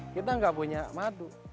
kita tidak punya madu